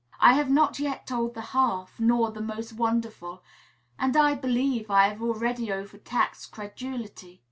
I have not yet told the half, nor the most wonderful; and I believe I have already overtaxed credulity.